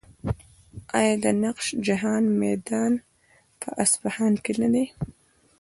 آیا د نقش جهان میدان په اصفهان کې نه دی؟